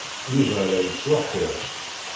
Yuba a la yettweḥḥid.